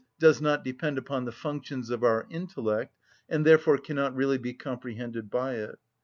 _, does not depend upon the functions of our intellect, and therefore can not really be comprehended by it.